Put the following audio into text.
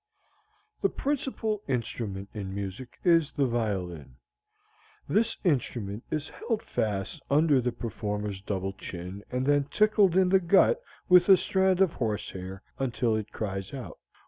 The principal instrument in music is the violin. This instrument is held fast under the performer's double chin and then tickled in the gut with a strand of horse hair until it cries out.